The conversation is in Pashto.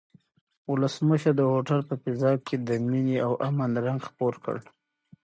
ولسمشر د هوټل په فضا کې د مینې او امن رنګ خپور کړ.